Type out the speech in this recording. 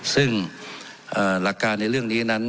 ซึ่งหลักการในเรื่องนี้นั้น